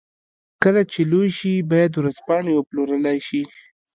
کله چې لوی شي بايد ورځپاڼې وپلورلای شي.